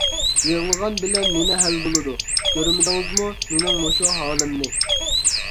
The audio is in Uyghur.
يىغلىغان بىلەن نېمە ھەل بولىدۇ، كۆرمىدىڭىزمۇ، مېنىڭ مۇشۇ ھالىمنى!